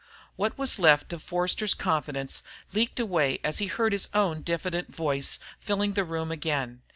What was left of Forster's confidence leaked away as he heard his own diffident voice filling the room again.